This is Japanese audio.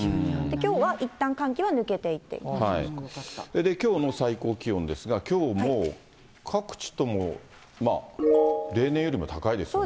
きょうは、いったん寒気は抜けてきょうの最高気温ですが、きょうも、各地とも例年よりも高いですね。